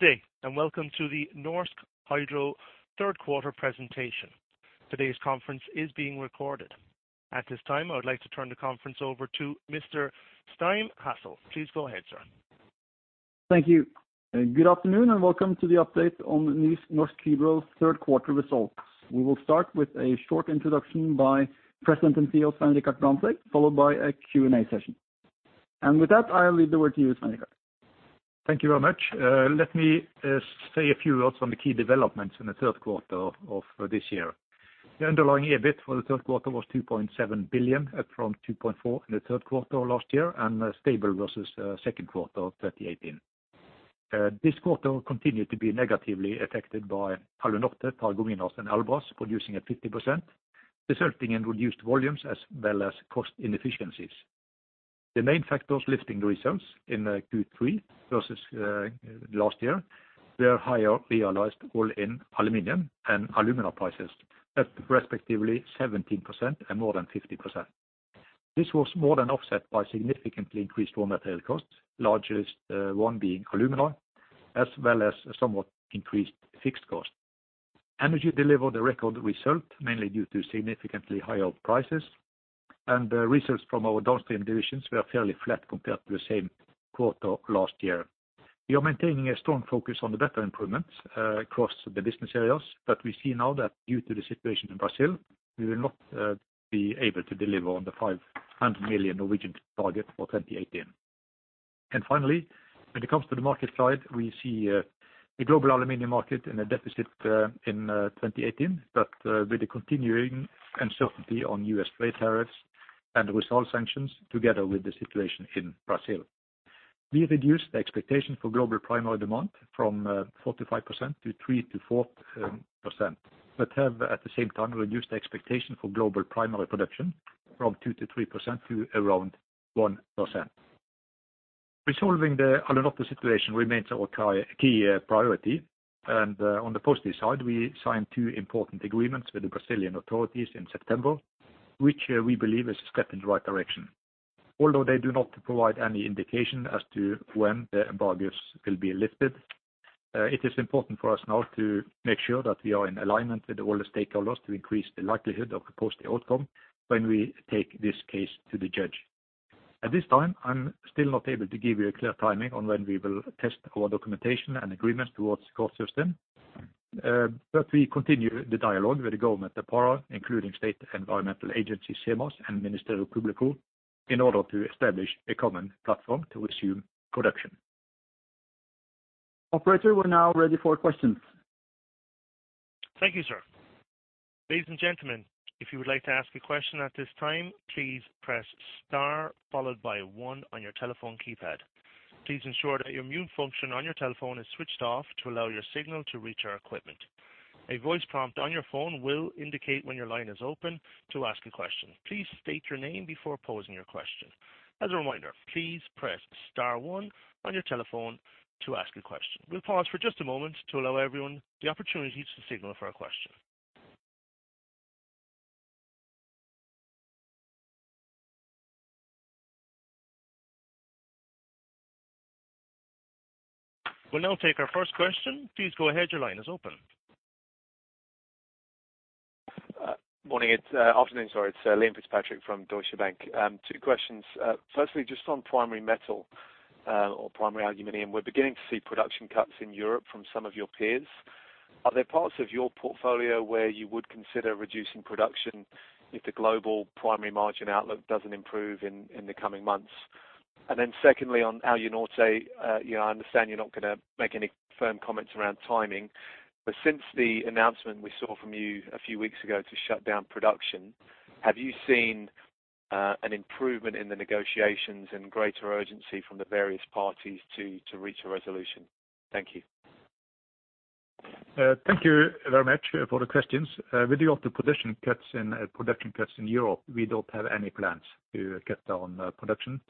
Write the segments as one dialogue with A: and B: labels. A: Good day, welcome to the Norsk Hydro third quarter presentation. Today's conference is being recorded. At this time, I would like to turn the conference over to Mr. Stian Hasle. Please go ahead, sir.
B: Thank you. Good afternoon, welcome to the update on the Norsk Hydro third quarter results. We will start with a short introduction by President and CEO, Svein Richard Brandtzæg, followed by a Q&A session. With that, I'll leave the word to you, Svein Richard.
C: Thank you very much. Let me say a few words on the key developments in the third quarter of this year. The underlying EBIT for the third quarter was 2.7 billion up from 2.4 billion in the third quarter last year and stable versus second quarter of 2018. This quarter continued to be negatively affected by Alunorte, Paragominas, and Albras producing at 50%, resulting in reduced volumes as well as cost inefficiencies. The main factors lifting the results in Q3 versus last year, were higher realized all-in aluminum and alumina prices at respectively 17% and more than 50%. This was more than offset by significantly increased raw material costs, largest one being alumina, as well as somewhat increased fixed cost. Energy delivered a record result, mainly due to significantly higher prices, and results from our downstream divisions were fairly flat compared to the same quarter last year. We are maintaining a strong focus on the better improvements across the business areas, but we see now that due to the situation in Brazil, we will not be able to deliver on the 500 million target for 2018. Finally, when it comes to the market side, we see the global aluminum market in a deficit in 2018, but with the continuing uncertainty on U.S. trade tariffs and Rusal sanctions together with the situation in Brazil. We reduced the expectation for global primary demand from 4%-5% to 3%-4%, but have at the same time, reduced the expectation for global primary production from 2%-3% to around 1%. Resolving the Alunorte situation remains our key priority. On the positive side, we signed two important agreements with the Brazilian authorities in September, which we believe is a step in the right direction. Although they do not provide any indication as to when the embargoes will be lifted, it is important for us now to make sure that we are in alignment with all the stakeholders to increase the likelihood of a positive outcome when we take this case to the judge. At this time, I'm still not able to give you a clear timing on when we will test our documentation and agreements towards court system. We continue the dialogue with the government of Pará, including State Environmental Agency, SEMAS, and Ministério Público, in order to establish a common platform to resume production.
B: Operator, we're now ready for questions.
A: Thank you, sir. Ladies and gentlemen, if you would like to ask a question at this time, please press star followed by one on your telephone keypad. Please ensure that your mute function on your telephone is switched off to allow your signal to reach our equipment. A voice prompt on your phone will indicate when your line is open to ask a question. Please state your name before posing your question. As a reminder, please press star one on your telephone to ask a question. We'll pause for just a moment to allow everyone the opportunity to signal for a question. We'll now take our first question. Please go ahead. Your line is open.
D: Morning. It's afternoon, sorry. It's Liam Fitzpatrick from Deutsche Bank. Two questions. Firstly, just on Primary Metal, or Primary aAluminum, we're beginning to see production cuts in Europe from some of your peers. Are there parts of your portfolio where you would consider reducing production if the global primary margin outlook doesn't improve in the coming months? Secondly, on Alunorte, you know, I understand you're not gonna make any firm comments around timing, but since the announcement we saw from you a few weeks ago to shut down production, have you seen an improvement in the negotiations and greater urgency from the various parties to reach a resolution? Thank you.
C: Thank you very much for the questions. With regard to production cuts in Europe, we don't have any plans to cut down production.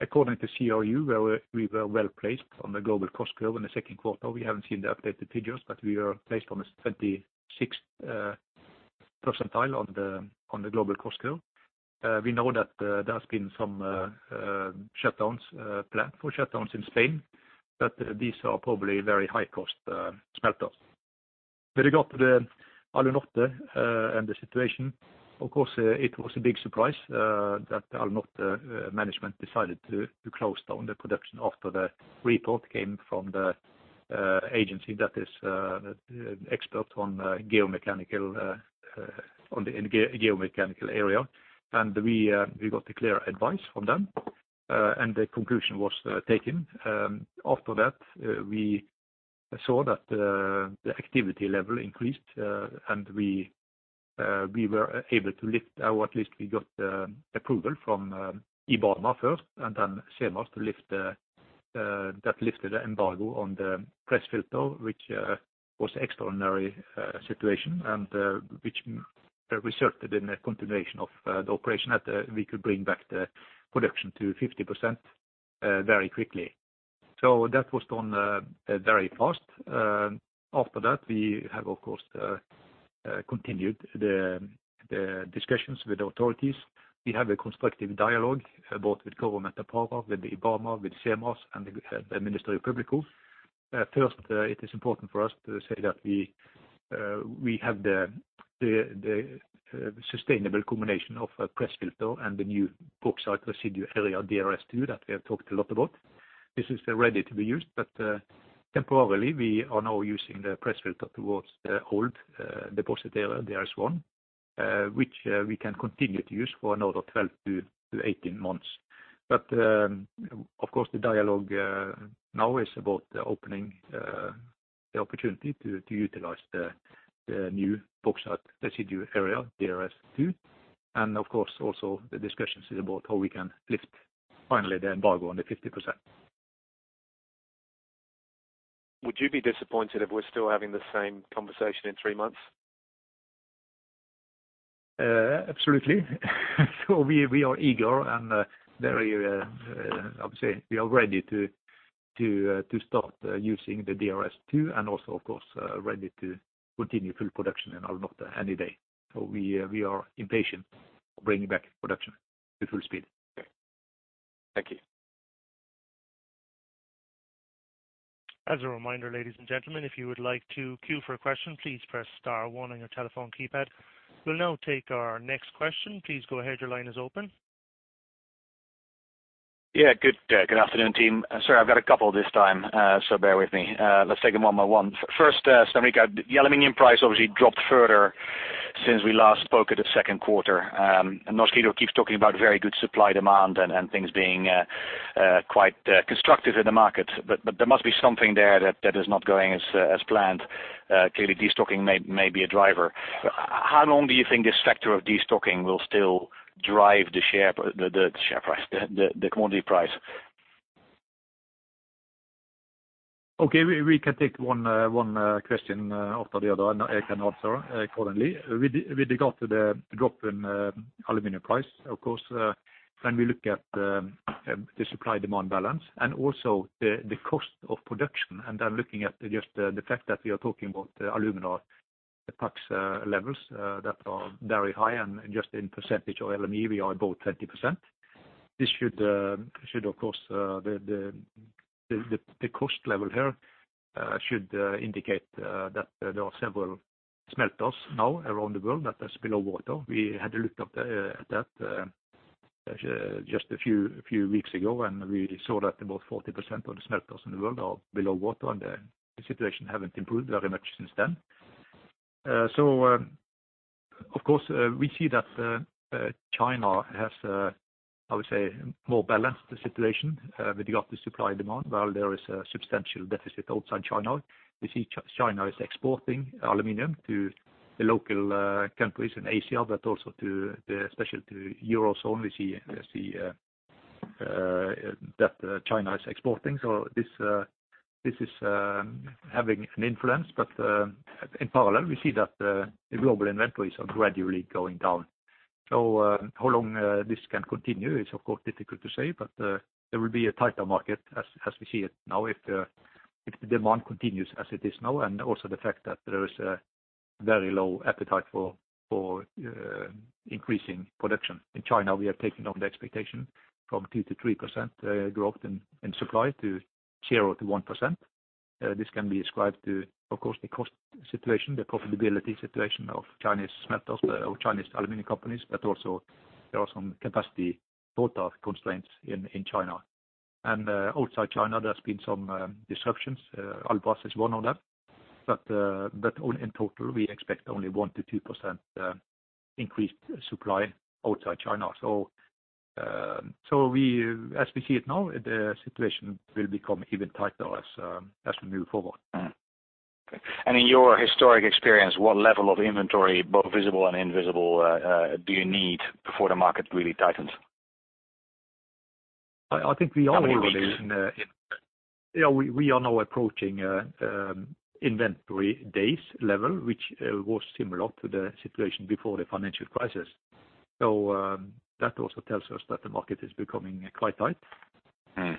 C: According to CRU, we were well-placed on the global cost curve in the second quarter. We haven't seen the updated figures, but we are placed on the 26th percentile on the global cost curve. We know that there has been some shutdowns planned for shutdowns in Spain, but these are probably very high cost smelters. With regard to the Alunorte and the situation, of course, it was a big surprise that Alunorte management decided to close down the production after the report came from the agency that is expert on the geomechanical area. We got a clear advice from them, and the conclusion was taken. After that, we saw that the activity level increased, and we were able to lift our list. We got approval from IBAMA first and then SEMAS to lift, that lifted the embargo on the press filter, which was extraordinary situation and which resulted in a continuation of the operation that we could bring back the production to 50% very quickly. That was done very fast. After that, we have, of course, continued the discussions with authorities. We have a constructive dialogue about with government of Pará, with IBAMA, with SEMAS, and the Ministério Público. First, it is important for us to say that we have the sustainable combination of press filter and the new bauxite residue area, DRS2, that we have talked a lot about. This is ready to be used, but temporarily, we are now using the press filter towards the old deposit area, DRS1, which we can continue to use for another 12 to 18 months. Of course, the dialogue now is about opening the opportunity to utilize the new bauxite residue area, DRS2. Of course, also the discussions is about how we can lift finally the embargo on the 50%.
D: Would you be disappointed if we're still having the same conversation in three months?
C: Absolutely. We are eager and very obviously we are ready to start using the DRS2, and also of course ready to continue full production in Alunorte any day. We are impatient bringing back production to full speed.
D: Okay. Thank you.
A: As a reminder, ladies and gentlemen, if you would like to queue for a question, please press star one on your telephone keypad. We'll now take our next question. Please go ahead. Your line is open.
E: Yeah, good afternoon, team. Sorry, I've got a couple this time, bear with me. Let's take them one by one. First, Stanko, the aluminum price obviously dropped further since we last spoke at the second quarter. Norsk Hydro keeps talking about very good supply demand and things being quite constructive in the market. There must be something there that is not going as planned. Clearly, destocking may be a driver. How long do you think this factor of destocking will still drive the share price, the commodity price?
C: Okay, we can take one question after the other. I can answer accordingly. With regard to the drop in aluminum price, of course, when we look at the supply demand balance and also the cost of production, I'm looking at just the fact that we are talking about alumina, the price levels that are very high and just in percentage of LME, we are above 20%. This should of course the cost level here should indicate that there are several smelters now around the world that is below water. We had a look at that just a few weeks ago, and we saw that about 40% of the smelters in the world are below water, and the situation hasn't improved very much since then. Of course, we see that China has, I would say, more balanced the situation with regard to supply and demand, while there is a substantial deficit outside China. We see China is exporting aluminum to the local countries in Asia, but also to the especially to Eurozone. We see that China is exporting. This is having an influence. In parallel, we see that the global inventories are gradually going down. How long this can continue is of course difficult to say, but there will be a tighter market as we see it now if the demand continues as it is now, and also the fact that there is a very low appetite for increasing production. In China, we are taking down the expectation from 2%-3% growth in supply to 0%-1%. This can be ascribed to, of course, the cost situation, the profitability situation of Chinese smelters or Chinese aluminum companies, but also there are some capacity buildup constraints in China. Outside China, there's been some disruptions. Albras is one of them. Only in total, we expect only 1%-2% increased supply outside China. We, as we see it now, the situation will become even tighter as we move forward.
E: Okay. In your historic experience, what level of inventory, both visible and invisible, do you need before the market really tightens?
C: I think we are.
E: How many weeks?
C: We are now approaching inventory days level, which was similar to the situation before the financial crisis. That also tells us that the market is becoming quite tight. It,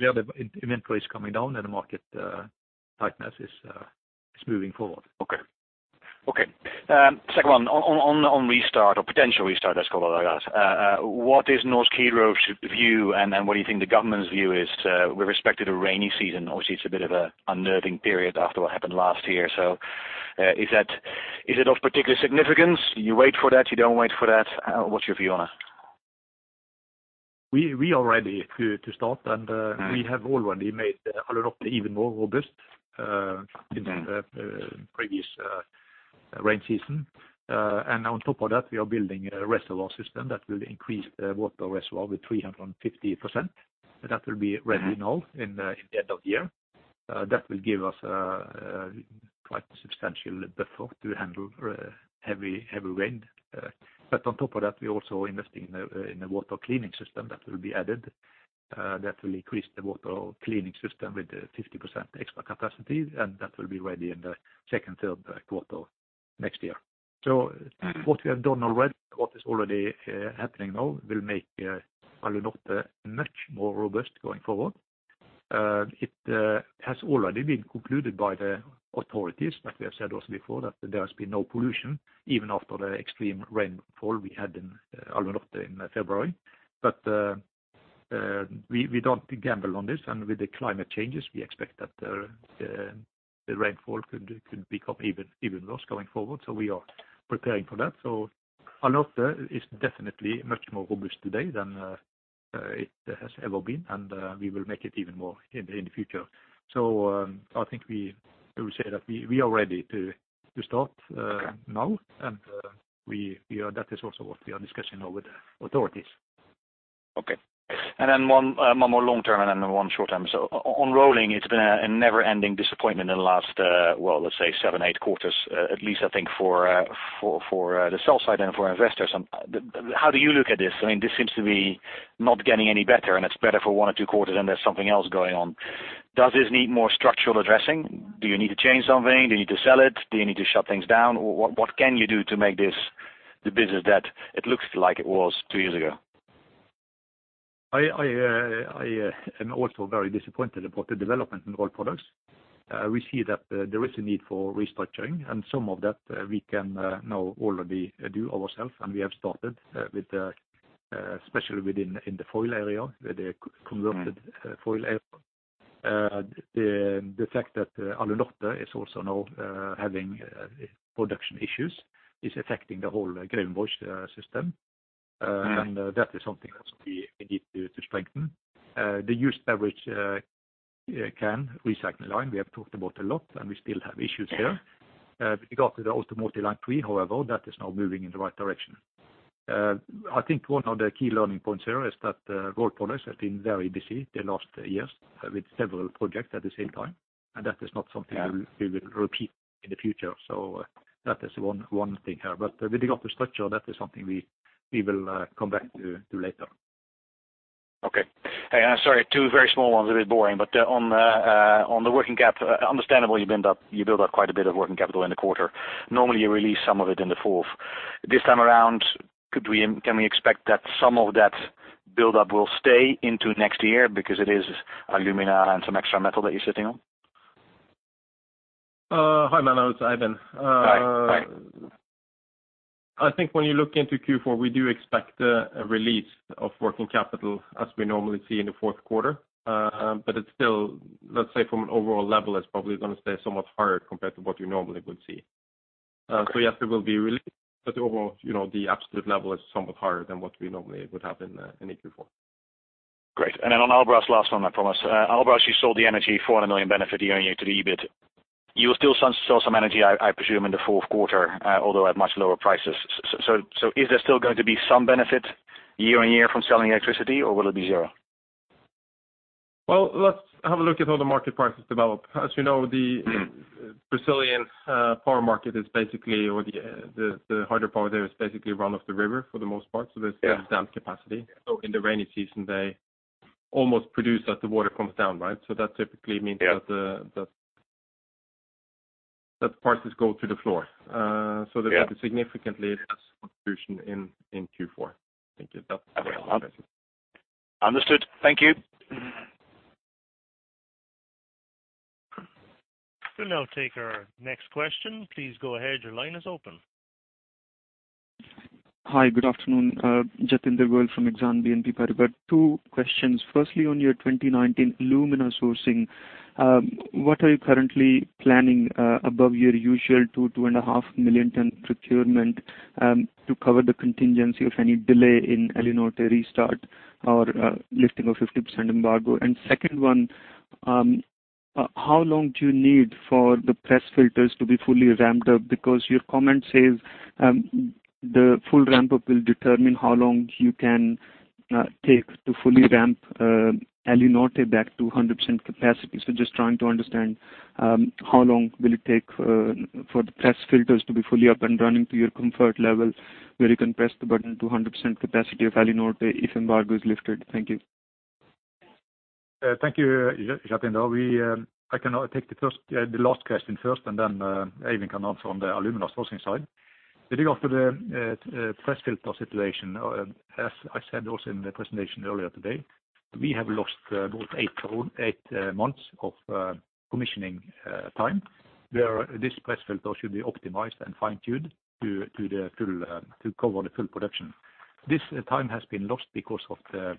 C: yeah, the inventory is coming down and the market tightness is moving forward.
E: Okay. Okay. second one. On, on restart or potential restart, let's call it like that. what is Norsk Hydro's view and what do you think the government's view is, with respect to the rainy season? Obviously, it's a bit of a unnerving period after what happened last year. is that, is it of particular significance? You wait for that, you don't wait for that? what's your view on it?
C: We are ready to start. We have already made Alunorte even more robust. Since the previous rain season. On top of that, we are building a reservoir system that will increase the water reservoir with 350%. That will be ready now in the end of the year. That will give us quite a substantial buffer to handle heavy rain. On top of that, we're also investing in a in a water cleaning system that will be added that will increase the water cleaning system with 50% extra capacity, and that will be ready in the second, third quarter next year. What we have done already, what is already happening now will make Alunorte much more robust going forward. It has already been concluded by the authorities, like we have said also before, that there has been no pollution even after the extreme rainfall we had in Alunorte in February. We don't gamble on this, and with the climate changes, we expect that the rainfall could become even worse going forward, so we are preparing for that. Alunorte is definitely much more robust today than it has ever been, and we will make it even more in the future. I think we will say that we are ready to start now, and we are that is also what we are discussing now with the authorities.
E: Okay. Then one more long-term and then one short-term. On rolling, it's been a never-ending disappointment in the last, well, let's say seven, eight quarters, at least I think for the sell side and for investors. How do you look at this? I mean, this seems to be not getting any better, and it's better for one or two quarters, and there's something else going on. Does this need more structural addressing? Do you need to change something? Do you need to sell it? Do you need to shut things down? What, what can you do to make this the business that it looks like it was two years ago?
C: I am also very disappointed about the development in Rolled Products. We see that there is a need for restructuring and some of that we can now already do ourselves, and we have started with the especially within, in the foil area.
E: Right.
C: -foil area. The fact that Alunorte is also now, having production issues is affecting the whole Grevenbroich, system. That is something else we need to strengthen. The used beverage can recycling line, we have talked about a lot, and we still have issues there. With regard to the Automotive Line 3, however, that is now moving in the right direction. I think one of the key learning points here is that Rolled Products have been very busy the last years with several projects at the same time, and that is not something-
E: Yeah.
C: We will repeat in the future. That is one thing here. With regard to structure, that is something we will come back to later.
E: Okay. I'm sorry, two very small ones, a bit boring. On the working cap, understandably, you build up quite a bit of working capital in the quarter. Normally, you release some of it in the fourth. This time around, can we expect that some of that buildup will stay into next year because it is alumina and some extra metal that you're sitting on?
F: Hi, Mano. It's Eivind.
E: Hi. Hi.
F: I think when you look into Q4, we do expect a release of working capital as we normally see in the fourth quarter. It's still, let's say, from an overall level, it's probably gonna stay somewhat higher compared to what you normally would see. Yes, it will be released, but overall, you know, the absolute level is somewhat higher than what we normally would have in a Q4.
E: Great. On Albras, last one, I promise. Albras, you sold the energy 400 million benefit year-on-year to the EBIT. You will still sell some energy, I presume, in the fourth quarter, although at much lower prices. Is there still going to be some benefit year-on-year from selling electricity, or will it be zero?
F: Well, let's have a look at how the market prices develop. As you know, the Brazilian power market is basically, or the hydropower there is basically run of the river for the most part.
E: Yeah.
F: There's dam capacity. In the rainy season, they almost produce that the water comes down, right? That typically means.
E: Yeah.
F: that the prices go through the floor.
E: Yeah.
F: There will be significantly less contribution in Q4. I think that covers it.
E: Understood. Thank you.
A: We'll now take our next question. Please go ahead. Your line is open.
G: Hi. Good afternoon. Jatinder Goel from Exane BNP Paribas. Two questions. Firstly, on your 2019 alumina sourcing, what are you currently planning above your usual 2.5 million tons procurement to cover the contingency of any delay in Alunorte restart or lifting of 50% embargo? Second one, how long do you need for the press filters to be fully ramped up? Because your comment says, the full ramp-up will determine how long you can take to fully ramp Alunorte back to 100% capacity. Just trying to understand, how long will it take for the press filters to be fully up and running to your comfort level, where you can press the button to 100% capacity of Alunorte if embargo is lifted. Thank you.
C: Thank you, Jatinder. We, I can take the first, the last question first, and then Eivind can answer on the alumina sourcing side. With regard to the press filter situation, as I said also in the presentation earlier today, we have lost about eight months of commissioning time, where this press filter should be optimized and fine-tuned to the full, to cover the full production. This time has been lost because of the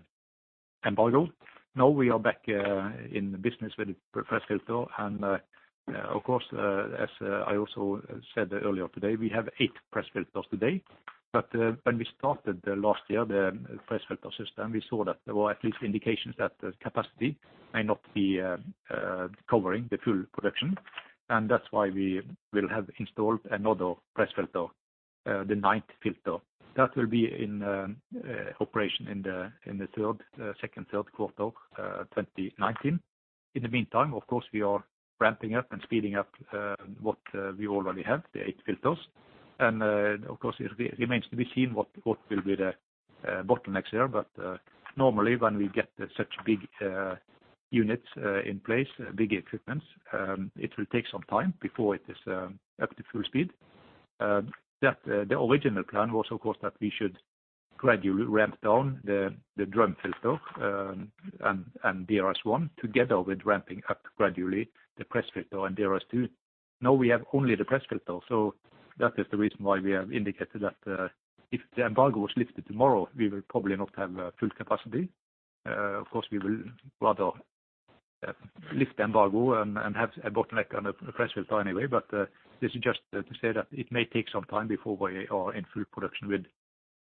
C: embargo. Now we are back in the business with the press filter. Of course, as I also said earlier today, we have eight press filters today. When we started last year, the press filter system, we saw that there were at least indications that the capacity may not be covering the full production. That's why we will have installed another press filter, the ninth filter. That will be in operation in the second, third quarter 2019. In the meantime, of course, we are ramping up and speeding up what we already have, the eight filters. Of course, it remains to be seen what will be the bottlenecks here. Normally, when we get such big units in place, big equipment, it will take some time before it is up to full speed. That the original plan was, of course, that we should gradually ramp down the drum filter, and DRS1 together with ramping up gradually the press filter and DRS2. Now we have only the press filter. That is the reason why we have indicated that if the embargo was lifted tomorrow, we will probably not have full capacity. Of course, we will rather lift the embargo and have a bottleneck on the press filter anyway. This is just to say that it may take some time before we are in full production with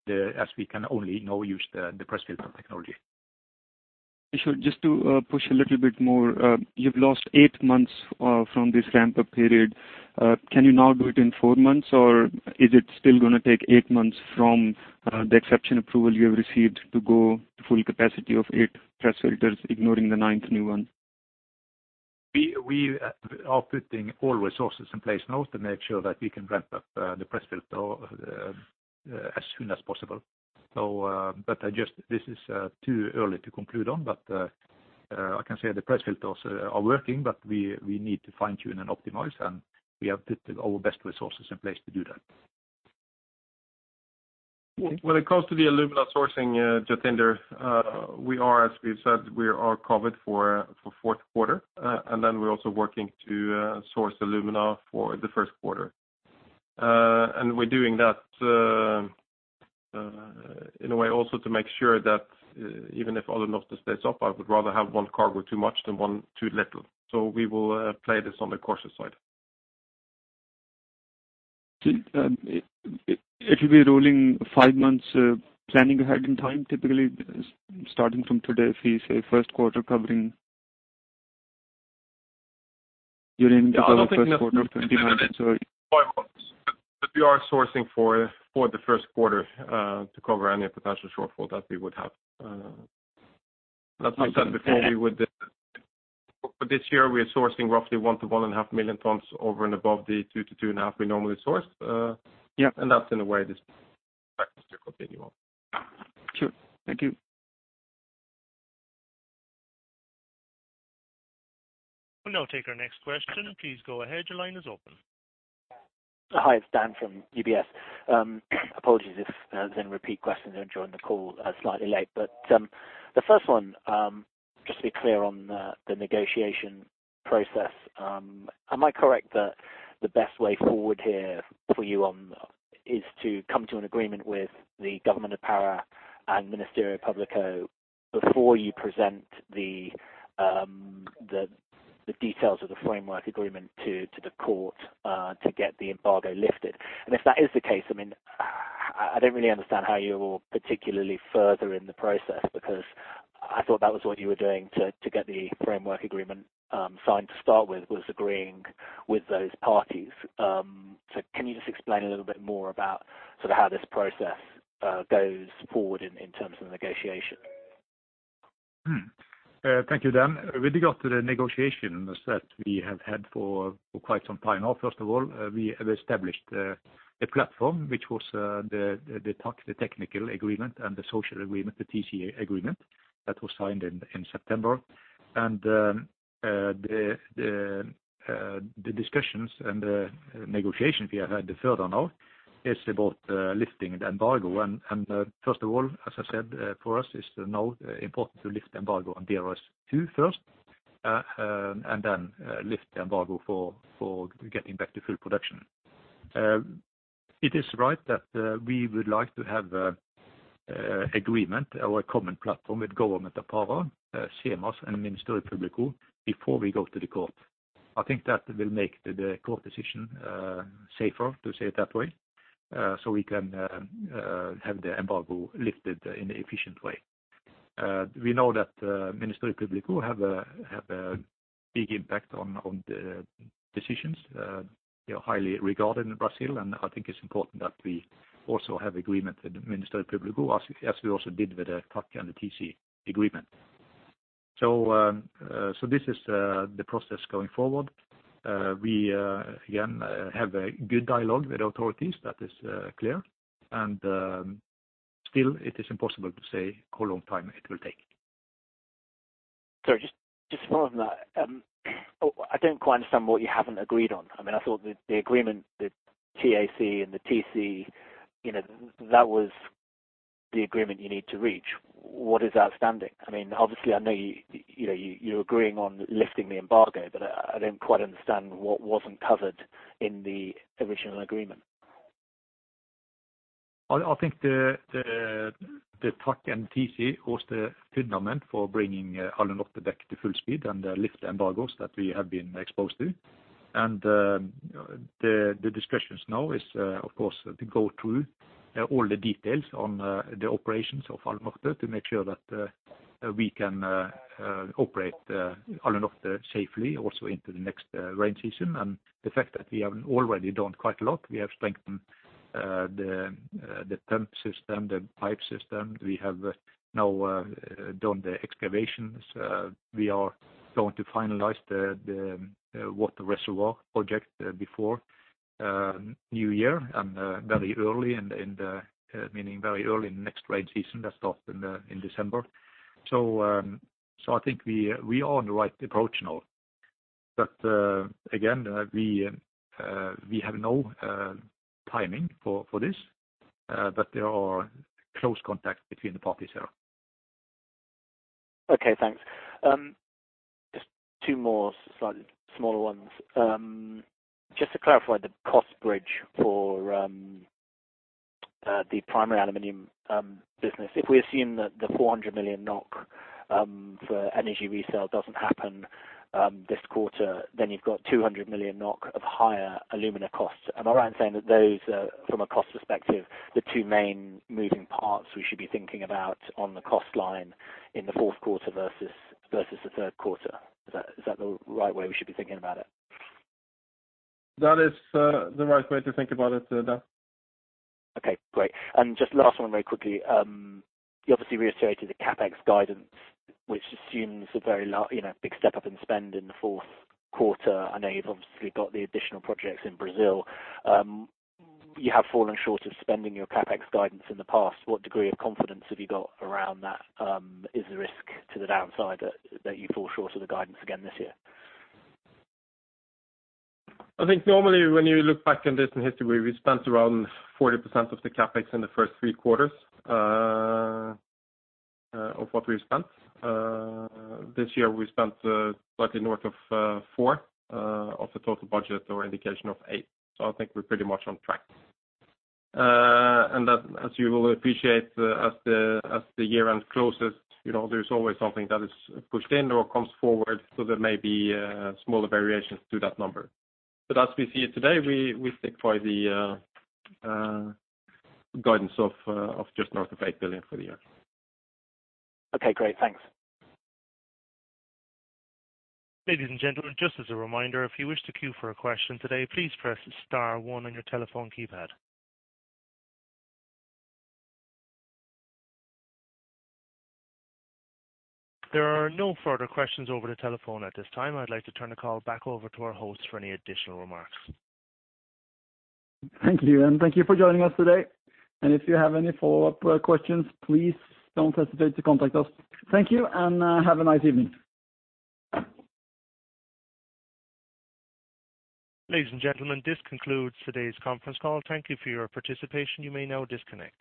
C: as we can only now use the press filter technology.
G: Sure. Just to push a little bit more, you've lost eight months from this ramp-up period. Can you now do it in four months, or is it still gonna take eight months from the exception approval you have received to go to full capacity of eight press filters, ignoring the ninth new one?
C: We are putting all resources in place now to make sure that we can ramp up the press filter as soon as possible. This is too early to conclude on, but I can say the press filters are working, but we need to fine-tune and optimize, and we have put our best resources in place to do that.
F: When it comes to the alumina sourcing, Jatinder, we are as we've said, we are covered for fourth quarter. We're also working to source alumina for the first quarter. We're doing that in a way also to make sure that even if Alunorte stays up, I would rather have one cargo too much than one too little. We will play this on the cautious side.
G: It will be rolling five months, planning ahead in time. Typically starting from today, if we say first quarter covering during the first quarter of 2023.
F: We are sourcing for the first quarter to cover any potential shortfall that we would have. As we said before, for this year, we are sourcing roughly 1 million-1.5 million tons over and above the 2 million -2.5 million we normally source.
G: Yeah.
F: That's in a way this practice will continue on.
G: Sure. Thank you.
A: We'll now take our next question. Please go ahead. Your line is open.
H: Hi, it's Dan from UBS. Apologies if there's been repeat questions. I joined the call slightly late. The first one, just to be clear on the negotiation process, am I correct that the best way forward here for you on is to come to an agreement with the government of Pará and Ministério Público before you present the details of the framework agreement to the court to get the embargo lifted? If that is the case, I mean, I-I don't really understand how you're particularly further in the process because I thought that was what you were doing to get the framework agreement signed to start with, was agreeing with those parties. Can you just explain a little bit more about sort of how this process goes forward in terms of the negotiation?
C: Thank you, Dan. With regard to the negotiations that we have had for quite some time now, first of all, we have established a platform which was the TAC, the technical agreement and the social agreement, the TAC agreement that was signed in September. The discussions and negotiation we have had further now is about lifting the embargo. First of all, as I said, for us it's now important to lift the embargo on DRS2 first, and then lift the embargo for getting back to full production. It is right that we would like to have agreement or a common platform with government of Pará, SEMAS and Ministério Público before we go to the court. I think that will make the court decision safer, to say it that way, so we can have the embargo lifted in an efficient way. We know that Ministério Público have a big impact on the decisions. They are highly regarded in Brazil, and I think it's important that we also have agreement with Ministério Público as we also did with the TAC and the TC agreement. This is the process going forward. We again have a good dialogue with authorities. That is clear. Still it is impossible to say how long time it will take.
H: Just following that, I don't quite understand what you haven't agreed on. I mean, I thought the agreement, the TAC and the TC, you know, that was the agreement you need to reach. What is outstanding? I mean, obviously, I know you're agreeing on lifting the embargo, but I don't quite understand what wasn't covered in the original agreement.
C: I think the TAC and TC was the fundament for bringing Alunorte back to full speed and lift the embargoes that we have been exposed to. The discussions now is of course to go through all the details on the operations of Alunorte to make sure that we can operate Alunorte safely also into the next rain season. The fact that we have already done quite a lot, we have strengthened the temp system, the pipe system. We have now done the excavations. We are going to finalize the water reservoir project before New year and very early and, meaning very early in next rain season that starts in December. I think we are on the right approach now. Again, we have no timing for this, but there are close contacts between the parties here.
H: Okay, thanks. Just two more slightly smaller ones. Just to clarify the cost bridge for the primary aluminum business. If we assume that the 400 million NOK for energy resale doesn't happen this quarter, then you've got 200 million NOK of higher alumina costs. Am I right in saying that those, from a cost perspective, the two main moving parts we should be thinking about on the cost line in the fourth quarter versus the third quarter? Is that the right way we should be thinking about it?
F: That is, the right way to think about it, Dan.
H: Okay, great. Just last one very quickly. You obviously reiterated the CAPEX guidance, which assumes a very large, you know, big step up in spend in the fourth quarter. I know you've obviously got the additional projects in Brazil. You have fallen short of spending your CAPEX guidance in the past. What degree of confidence have you got around that, is the risk to the downside that you fall short of the guidance again this year?
F: I think normally when you look back in this in history, we spent around 40% of the CAPEX in the first three quarters of what we've spent. This year, we spent slightly north of four of the total budget or indication of eight. I think we're pretty much on track. That as you will appreciate, as the, as the year-end closes, you know, there's always something that is pushed in or comes forward, so there may be smaller variations to that number. As we see it today, we stick by the guidance of just north of 8 billion for the year.
H: Okay, great. Thanks.
A: Ladies and gentlemen, just as a reminder, if you wish to queue for a question today, please press star one on your telephone keypad. There are no further questions over the telephone at this time. I'd like to turn the call back over to our host for any additional remarks.
C: Thank you, and thank you for joining us today. If you have any follow-up questions, please don't hesitate to contact us. Thank you, have a nice evening.
A: Ladies and gentlemen, this concludes today's conference call. Thank you for your participation. You may now disconnect.